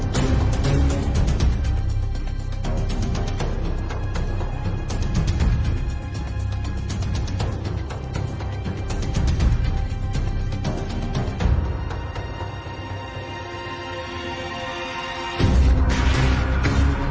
ครับ